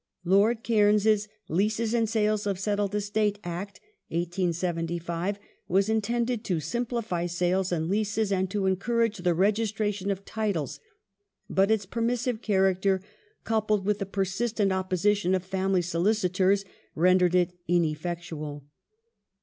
Lord Cairns's Leases and Sales of Settled Estates Act (1875) ^ was intended to simplify sales and leases and to encourage the registration of titles, but its permissive chsu'acter, coupled with the persistent opposition of family solicitors, rendered it ineffectual.